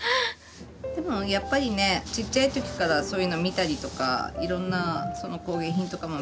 でもやっぱりねちっちゃい時からそういうの見たりとかいろんな工芸品とかも見てるからね。